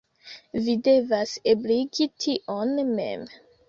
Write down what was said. Vi devas ebligi tion mem.